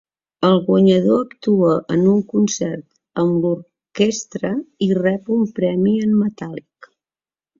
El guanyador actua en un concert amb l'orquestra i rep un premi en metàl·lic.